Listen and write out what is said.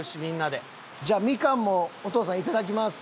じゃあみかんもお父さんいただきます。